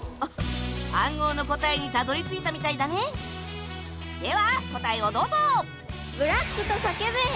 暗号の答えにたどり着いたみたいだねでは答えをどうぞ！